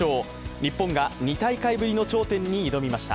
日本が２大会ぶりの頂点に挑みました。